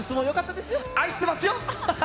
愛してますよ。